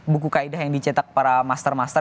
buku kaedah yang dicetak para master master